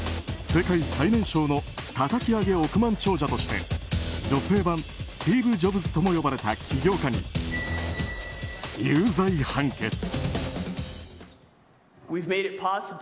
世界最年少のたたき上げ億万長者として女性版スティーブ・ジョブズとも呼ばれた企業家に有罪判決。